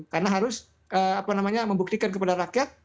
karena harus membuktikan kepada rakyat